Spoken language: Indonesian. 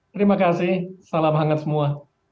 terima kasih salam hangat semua